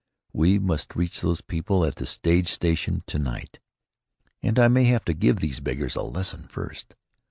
We must reach those people at the stage station to night, and I may have to give these beggars a lesson first.